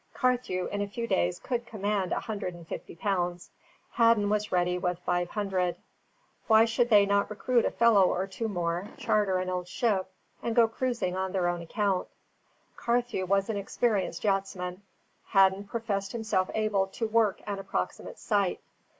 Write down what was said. Carthew in a few days could command a hundred and fifty pounds; Hadden was ready with five hundred; why should they not recruit a fellow or two more, charter an old ship, and go cruising on their own account? Carthew was an experienced yachtsman; Hadden professed himself able to "work an approximate sight."